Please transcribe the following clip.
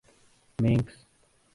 مینکس